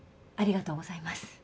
ありがとうございます。